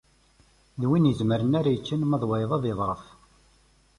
D winn izemren ara yeččen, ma d wayeḍ ad iḍeṛṛef.